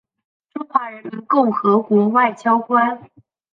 中华人民共和国外交官。